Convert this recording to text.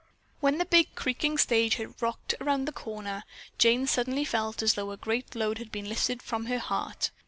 When the big creaking stage had rocked around the corner, Jane suddenly felt as though a great load had been lifted from her heart.